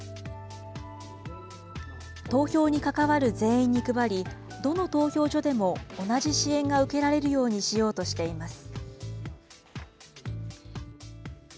投票に関わる全員に配り、どの投票所でも同じ支援が受けられるようにしようとしています。